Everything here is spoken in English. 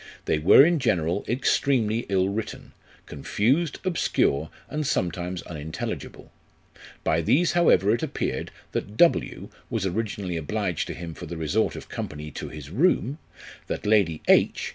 They were in general extremely ill written, confused, obscure, and sometimes unintelligible. By these however it appeared, that W was originally obliged to him for the resort of company to his room ; that Lady H.